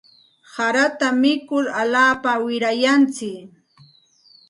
Harata mikur alaapa wirayantsik.